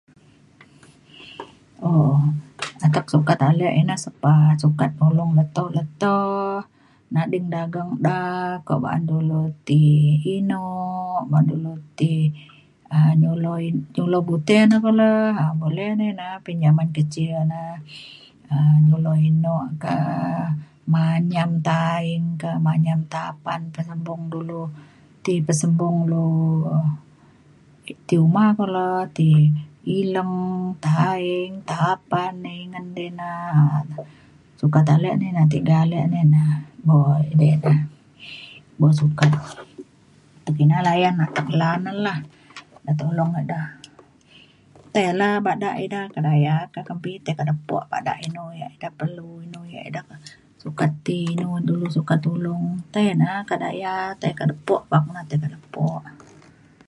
um atek sukat ale ina sepa sukat nolong leto leto nading dagang da kuak ba’an dulu ti eno ba’an dulu ti um nyulo e- nyulo bute ne kulo um boleh ne ina. pinjaman kecil na um nyulo eno ka manyam taing ka manyam tapan ka sembung dulu ti pesembung lu. ti uma kulo ti ileng taing tapan ingen di na. um sukat ale ne na tiga ale ne na buk edei na beng sukat pekina layan atek lan ne la. ne tolong me da tai la bada ida kedaya ka kembi tai ke lepo bada ida inu yak ida perlu inu yak ida sukat ti inu dulu sukat tulong tei na kedaya tei kak lepo [unintelligible] tei kak lepo.